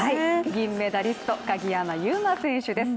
銀メダリスト・鍵山優真選手です。